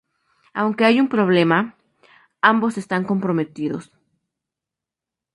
Aunque hay un problema... ambos están comprometidos.